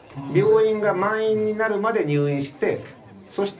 病院が満員になるまで入院してそ